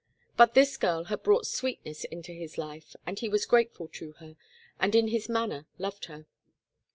But this girl had brought sweetness into his life and he was grateful to her, and in his manner loved her.